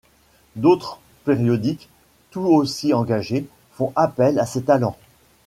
D'autres périodiques, tout aussi engagés, font appel à ses talents.